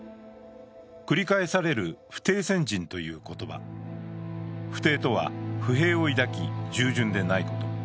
繰り返される不逞鮮人という言葉、不逞とは不平を抱き従順でないこと。